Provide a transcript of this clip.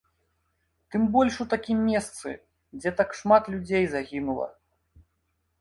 Тым больш у такім месцы, дзе так шмат людзей загінула.